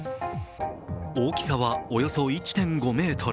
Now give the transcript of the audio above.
大きさはおよそ１．５ｍ。